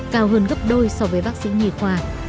cao hơn gấp đôi so với bác sĩ nhì khoa